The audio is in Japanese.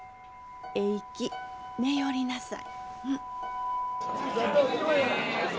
えいき寝よりなさい。